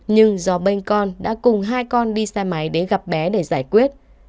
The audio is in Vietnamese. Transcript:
nhưng do bênh con đã cùng hai con đi xa máy để gặp bé để giải quyết